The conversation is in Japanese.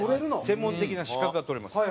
専門的な資格が取れます。